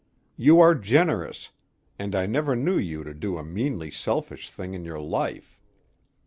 "You are generous, and I never knew you to do a meanly selfish thing in your life.